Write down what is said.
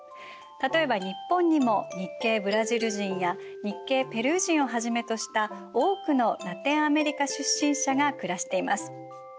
例えば日本にも日系ブラジル人や日系ペルー人をはじめとした多くのラテンアメリカ出身者が暮らしています。